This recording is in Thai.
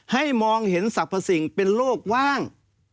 ให้มองเห็นศักดิ์พระสิ่งเป็นโลกว่าง